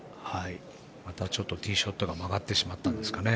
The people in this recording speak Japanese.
またちょっとティーショットが曲がってしまったんですかね。